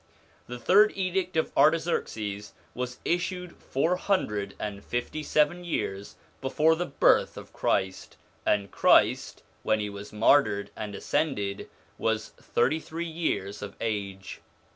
The third edict of Artax erxes was issued four hundred and fifty seven years before the birth of Christ, and Christ when he was martyred and ascended was thirty three years of age.